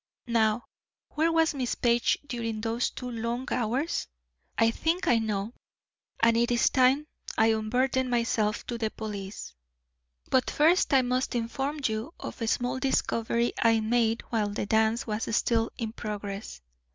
Now where was Miss Page during those two long hours? I think I know, and it is time I unburdened myself to the police. "But first I must inform you of a small discovery I made while the dance was still in progress.